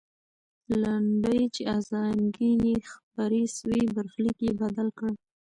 لنډۍ چې ازانګې یې خپرې سوې، برخلیک یې بدل کړ.